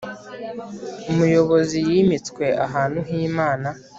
umuyobozi yimitswe ahantu h'imana